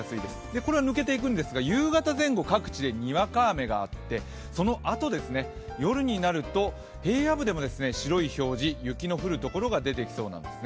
これは抜けていくんですが夕方前後、各地でにわか雨があってそのあと、夜になると平野部でも白い表示、雪の降るところが出てきそうなんですね。